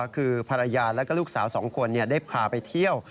คือภรรยาและลูกสาว๒คนได้พาไปเที่ยว